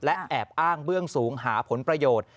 และแอบอ้างเบื้องสูงหาผลประโยชน์